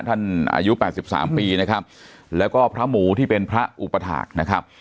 ท่านอายุแปดสิบสามปีนะครับแล้วก็พระหมู่ที่เป็นพระอุปถักษ์นะครับ